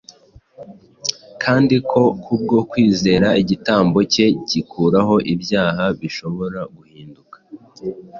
kandi ko kubwo kwizera igitambo cye gikuraho ibyaha bashobora guhinduka